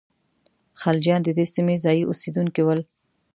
خلجیان د دې سیمې ځايي اوسېدونکي ول.